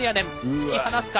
突き放すか